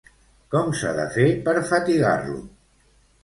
Com s'ha de fer per fatigar-lo?